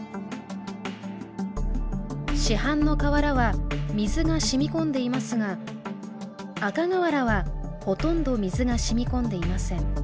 市販の瓦は水がしみ込んでいますが赤瓦はほとんど水がしみ込んでいません。